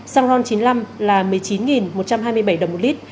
xăng ron chín mươi năm là một mươi chín một trăm hai mươi bảy đồng một lít